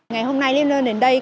ngày hôm nay liêm lơn đến đây